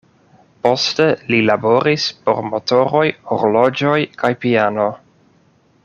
Poste li laboris por motoroj, horloĝoj kaj piano.